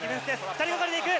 ２人がかりでいく。